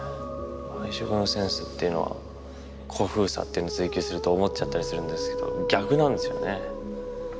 配色のセンスっていうのは古風さってのを追求すると思っちゃったりするんですけど逆なんですよね。